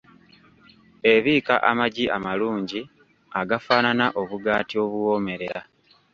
Ebiika amagi amalungi agafaanana obugaati obuwoomerera.